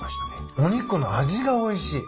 お肉の味がおいしい。